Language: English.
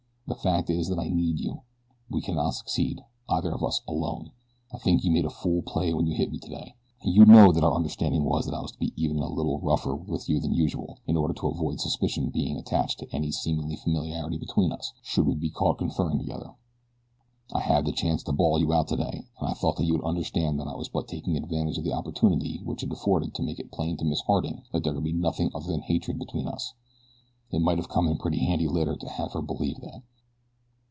The fact is that I need you. We cannot succeed, either one of us, alone. I think you made a fool play when you hit me today. You know that our understanding was that I was to be even a little rougher with you than usual, in order to avoid suspicion being attached to any seeming familiarity between us, should we be caught conferring together. I had the chance to bawl you out today, and I thought that you would understand that I was but taking advantage of the opportunity which it afforded to make it plain to Miss Harding that there could be nothing other than hatred between us it might have come in pretty handy later to have her believe that.